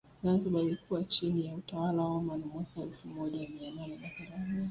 Zanzibar ilikuwa chini ya utawala wa Oman mwaka elfu moja mia nane na themanini